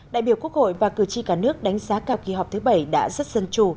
đại biểu quốc hội và cử tri cả nước đánh giá cả kỳ họp thứ bảy đã rất dân chủ